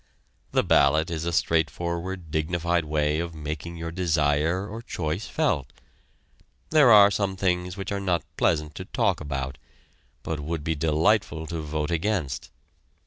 The ballot is a straight forward dignified way of making your desire or choice felt. There are some things which are not pleasant to talk about, but would be delightful to vote against.